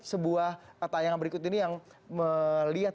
sebuah tayangan berikut ini yang melihat